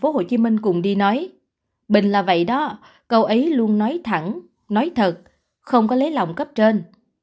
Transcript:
ông đinh la thăng đi nói bình là vậy đó câu ấy luôn nói thẳng nói thật không có lấy lòng cấp trên